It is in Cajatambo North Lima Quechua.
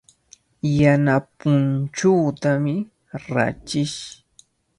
Yana punchuutami rachish.